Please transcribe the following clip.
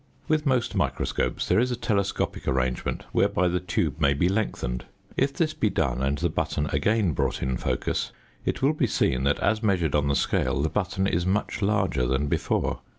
With most microscopes there is a telescopic arrangement whereby the tube may be lengthened; if this be done and the button again brought in focus, it will be seen that, as measured on the scale, the button is much larger than before.